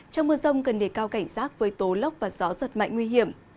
trong mưa rông gần nề cao cảnh rác với tố lóc và gió giật mạnh nguy hiểm